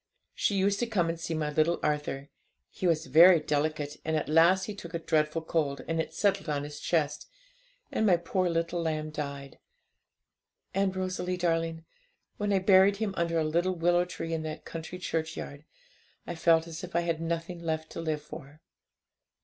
She used to come and see my little Arthur; he was very delicate, and at last he took a dreadful cold, and it settled on his chest, and my poor little lamb died. And, Rosalie darling, when I buried him under a little willow tree in that country churchyard, I felt as if I had nothing left to live for.